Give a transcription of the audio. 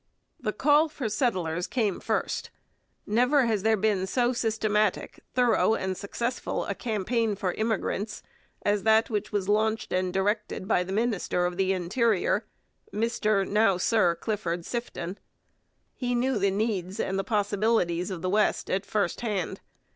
The call for settlers came first. Never has there been so systematic, thorough, and successful a campaign for immigrants as that which was launched and directed by the minister of the Interior, Mr, now Sir Clifford, Sifton. He knew the needs and the possibilities of the West at first hand.